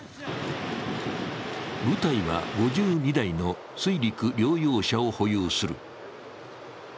部隊は５２台の水陸両用車を保有する。